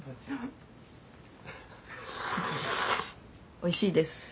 おいしいです。